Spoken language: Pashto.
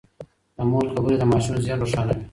د مور خبرې د ماشوم ذهن روښانوي.